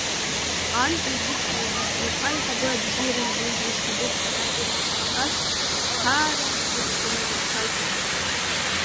Ан илзычҳауамызт лԥа аиҳабы абзиара изызуаз ҭабуп ҳәа раҳәара ацынхәрас, аара рыдҵаны дахьцәажәоз.